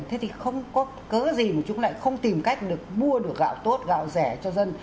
thế thì không có cớ gì mà chúng lại không tìm cách được mua được gạo tốt gạo rẻ cho dân